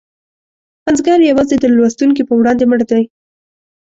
پنځګر یوازې د لوستونکي په وړاندې مړ دی.